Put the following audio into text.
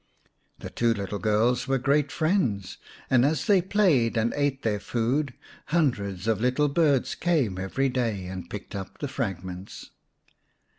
The two little girls were great friends, and as they played and ate their food hundreds of little birds came every day and picked up the fragments.